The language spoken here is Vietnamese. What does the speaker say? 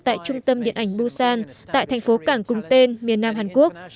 tại trung tâm điện ảnh busan tại thành phố cảng cùng tên miền nam hàn quốc